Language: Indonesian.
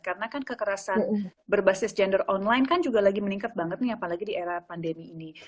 karena kan kekerasan berbasis gender online kan juga lagi meningkat banget nih apalagi di era pandemi ini